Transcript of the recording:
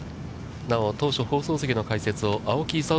なお、当初放送席の解説を青木功